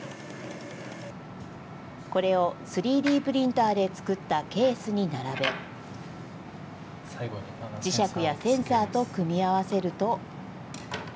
これを３Ｄプリンターで作ったケースに並べ、磁石やセンサーと組み合わせると。